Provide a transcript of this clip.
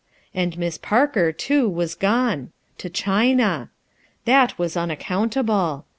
And Miss Parker, too, was gone — to China I That wa3 unaccount able.